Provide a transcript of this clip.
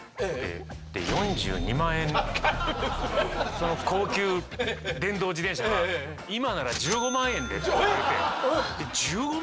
その高級電動自転車が「今なら１５万円で」って言われて「１５万？」